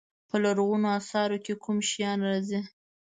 په لرغونو اثارو کې کوم شیان راځي.